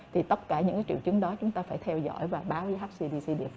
thì tất cả những triệu chứng đó chúng ta phải theo dõi và báo với hcdc địa phương